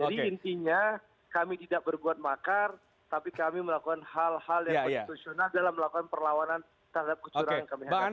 jadi intinya kami tidak berbuat makar tapi kami melakukan hal hal yang konstitusional dalam melakukan perlawanan terhadap kecurangan yang kami lakukan